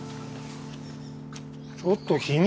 ちょっと君！